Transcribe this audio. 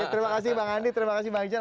terima kasih bang andi terima kasih bang jan